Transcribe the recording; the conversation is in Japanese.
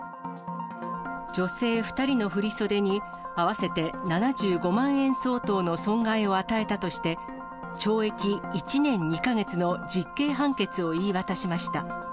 女性２人の振り袖に合わせて７５万円相当の損害を与えたとして、懲役１年２か月の実刑判決を言い渡しました。